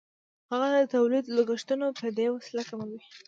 هغه د تولید لګښتونه په دې وسیله کموي